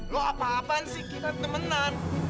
lu apa apaan sih kita temenan